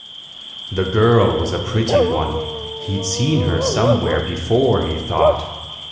The girl was a pretty one. He'd seen her somewhere before, he thought.